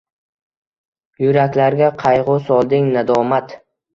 Yuraklarga qayg‘u solding, nadomat